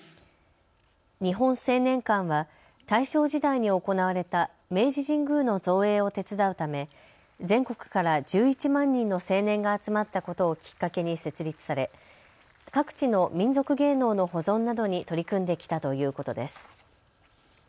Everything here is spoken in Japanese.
日本青年館は大正時代に行われた明治神宮の造営を手伝うため全国から１１万人の青年が集まったことをきっかけに設立され、各地の民俗芸能の保存などに取り組んできたということです。